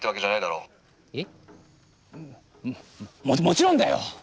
ももちろんだよ！